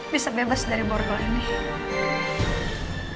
bisa bebas dari borgol ini